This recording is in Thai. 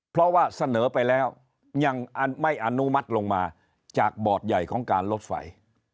เพราะว่าเสนอไปแล้วยังไม่อนุมัติลงมาจากบอร์ดใหญ่ของการลดไฟ